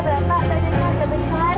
banyak banyak ada besar